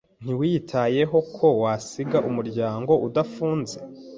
Ntiwitayeho ko wasiga umuryango udafunze.